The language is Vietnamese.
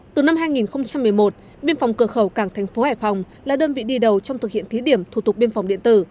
từ năm hai nghìn một mươi một biên phòng cửa khẩu cảng thành phố hải phòng là đơn vị đi đầu trong thực hiện thí điểm thủ tục biên phòng điện tử